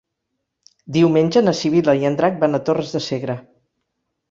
Diumenge na Sibil·la i en Drac van a Torres de Segre.